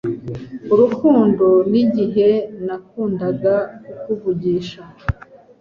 Urukundo nigihe nakundaga kukuvugisha